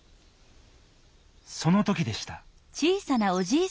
そのときでした。